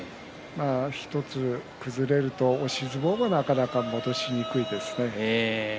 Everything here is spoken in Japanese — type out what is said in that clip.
１つ崩れると押し相撲もなかなか落としにくくなりますね。